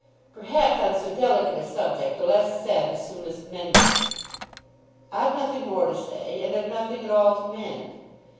"Perhaps on so delicate a subject the less said the soonest mended." "I've nothing more to say, and I've nothing at all to mend."